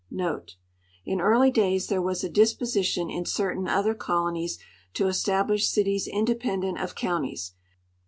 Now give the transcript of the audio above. * In early days there was a disposition in certain other colonies to establish cities independent of counties.